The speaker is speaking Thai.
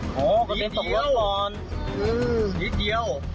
อ๋อก็เด็กสองรถก่อนนิดเดียว